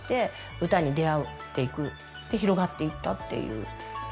広がっていったっていう。